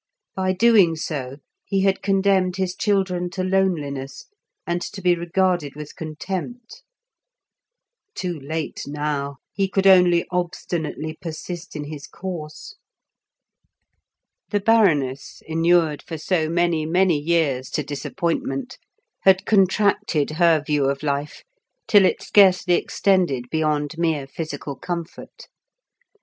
By doing so he had condemned his children to loneliness, and to be regarded with contempt. Too late now, he could only obstinately persist in his course. The Baroness, inured for so many, many years to disappointment, had contracted her view of life till it scarcely extended beyond mere physical comfort.